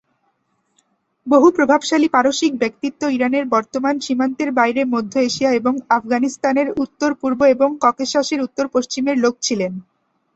বহু প্রভাবশালী পারসিক ব্যক্তিত্ব ইরানের বর্তমান সীমান্তের বাইরে মধ্য এশিয়া এবং আফগানিস্তানের উত্তর-পূর্ব এবং ককেশাসের উত্তর-পশ্চিমের লোক ছিলেন।